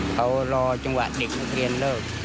เขารอจังหวะเด็กนักเรียนเลิก